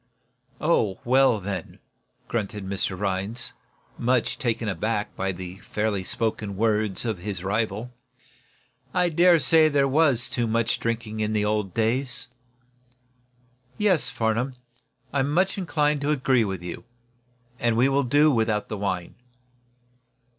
"Oh, well, then," grunted Rhinds, much taken back by the fairly spoken words of his rival. "I dare say there was too much drinking in the old days. Yes, Farnum, I am much inclined to agree with you, and we will do without the wine."